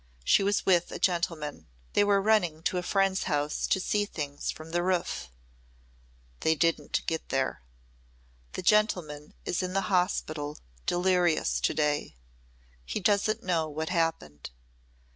She was with a gentleman. They were running to a friend's house to see things from the roof. They didn't get there. The gentleman is in the hospital delirious to day. He doesn't know what happened.